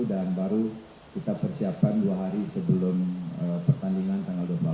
dan baru kita persiapkan dua hari sebelum pertandingan tanggal dua puluh delapan